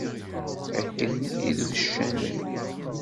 Akken i d uccanen.